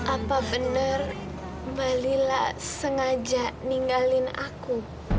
apa benar mbak lila sengaja ninggalin aku